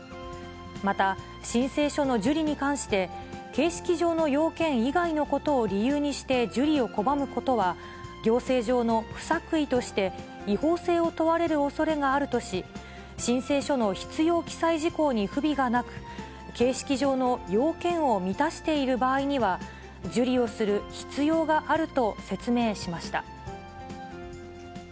また、申請書の受理に関して、形式上の要件以外のことを理由にして受理を拒むことは、行政上の不作為として、違法性を問われるおそれがあるとし、申請書の必要記載事項に不備がなく、形式上の要件を満たしている場合には、受理をする必要があると説明しました。